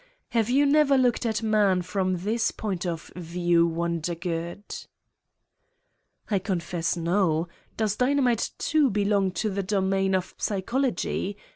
Have you never looked at man from this point of view, Wondergood?" "I confess, no. Does dynamite, too, belong to the domain of psychology?